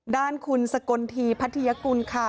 ด้านคุณสกลทีพัทยากุลค่ะ